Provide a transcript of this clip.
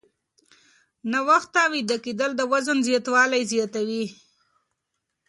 ناوخته ویده کېدل د وزن زیاتوالی زیاتوي.